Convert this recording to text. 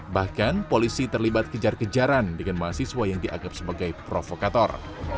bahkan polisi terlibat kejar kejaran dengan mahasiswa yang dianggap sebagai provokator